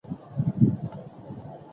منابع خپله نه منسجم کيږي.